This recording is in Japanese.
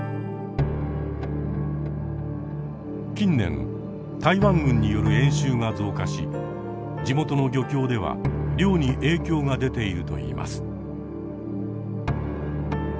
近年台湾軍による演習が増加し地元の漁協では漁に影響が出ているといいます。